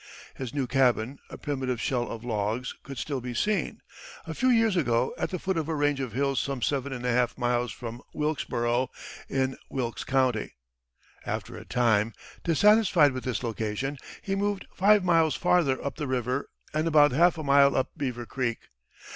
His new cabin, a primitive shell of logs, could still be seen, a few years ago, at the foot of a range of hills some seven and a half miles above Wilkesboro, in Wilkes County. After a time, dissatisfied with this location, he moved five miles farther up the river and about half a mile up Beaver Creek.